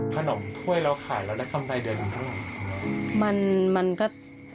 ขนมถ้วยเราขายเราได้ทำได้เดือนหรือเปล่า